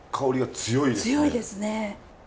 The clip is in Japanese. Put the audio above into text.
強いですね。